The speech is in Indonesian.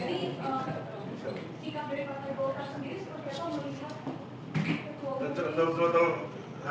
ada indikasi bahwa memang suara pak pertai bokar ini masih sangat berpengaruh di pantai bokar